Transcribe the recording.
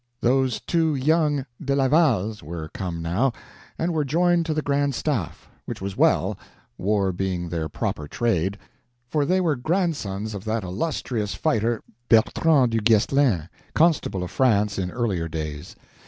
Those two young De Lavals were come now, and were joined to the Grand Staff. Which was well; war being their proper trade, for they were grandsons of that illustrious fighter Bertrand du Guesclin, Constable of France in earlier days.